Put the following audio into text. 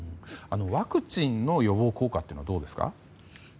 ワクチンの予防効果はどうですか。